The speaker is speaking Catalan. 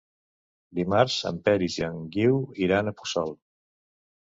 Dimarts en Peris i en Guiu iran a Puçol.